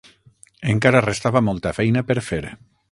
Encara restava molta feina per fer.